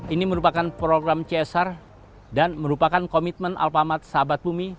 ini merupakan program csr dan merupakan komitmen alfamart sahabat bumi